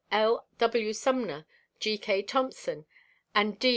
L. W. Sumner, G. K. Thompson and D.